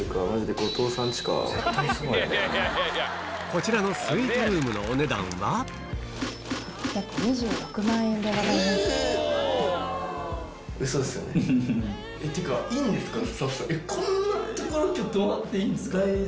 こちらのスイートルームのお値段はっていうかいいんですか？